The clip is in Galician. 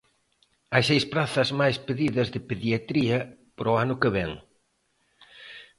Hai seis prazas máis pedidas de Pediatría para o ano que vén.